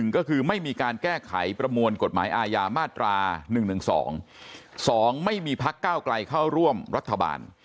ก็คือไม่มีการแก้ไขประมวลกฎหมายอาญามาตรา๑๑๒๒ไม่มีพักก้าวไกลเข้าร่วมรัฐบาล